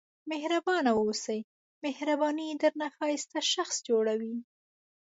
مهربانه واوسئ مهرباني درنه ښایسته شخص جوړوي.